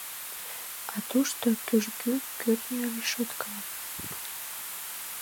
А тушто кӱжгӧ кӱртньӧ решотка.